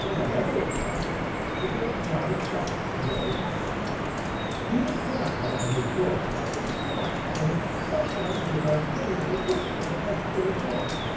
Whatever it was, it made Johnny Chuck very happy. He would come out on his doorstep and smile and sometimes give a funny little whistle of pure joy.